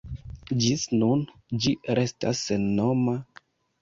Ĝis nun, ĝi restas sennoma.